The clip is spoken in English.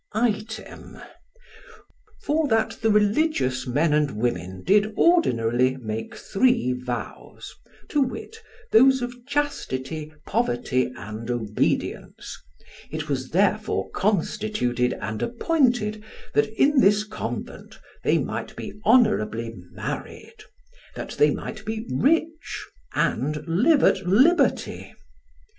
Item, for that the religious men and women did ordinarily make three vows, to wit, those of chastity, poverty, and obedience, it was therefore constituted and appointed that in this convent they might be honourably married, that they might be rich, and live at liberty.